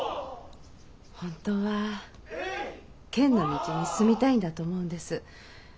本当は剣の道に進みたいんだと思うんです。